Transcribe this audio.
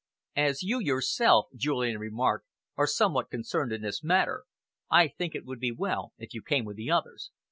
"As you yourself," Julian remarked, "are somewhat concerned in this matter, I think it would be well if you came with the others."